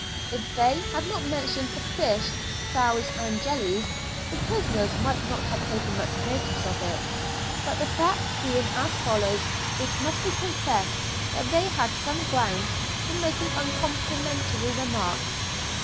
If they had not mentioned the fish, fowls, and jellies, the prisoners might not have taken much notice of it, but the facts being as follows, it must be confessed that they had some grounds for making uncomplimentary remarks.